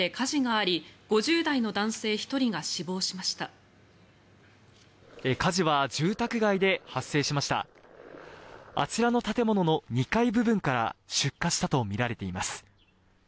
あちらの建物の２階部分から出火したとみられています。